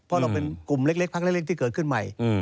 เพราะเราเป็นกลุ่มเล็กพักเล็กที่เกิดขึ้นใหม่